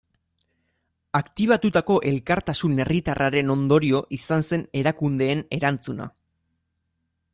Aktibatutako elkartasun herritarraren ondorio izan zen erakundeen erantzuna.